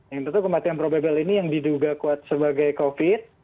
yang tentu kematian probable ini yang diduga kuat sebagai covid